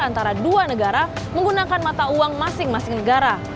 antara dua negara menggunakan mata uang masing masing negara